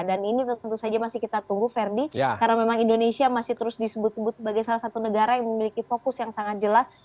dan ini tentu saja masih kita tunggu ferdy karena memang indonesia masih terus disebut sebut sebagai salah satu negara yang memiliki fokus yang sangat jelas